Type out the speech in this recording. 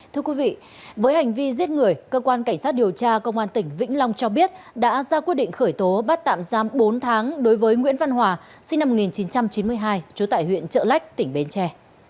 thưa quý vị với hành vi giết người cơ quan cảnh sát điều tra công an tỉnh vĩnh long cho biết đã ra quyết định khởi tố bắt tạm giam bốn tháng đối với nguyễn văn hòa sinh năm một nghìn chín trăm chín mươi hai trú tại huyện trợ lách tỉnh bến tre